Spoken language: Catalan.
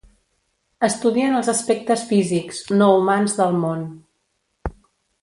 Estudien els aspectes físics, no humans del món.